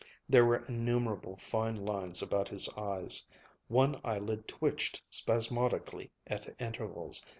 There were innumerable fine lines about his eyes. One eyelid twitched spasmodically at intervals.